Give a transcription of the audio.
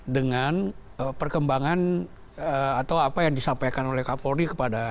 dengan perkembangan atau apa yang disampaikan oleh kak flory